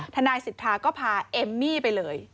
ทนายสิทธาก็พาเอมมี่ไปเลย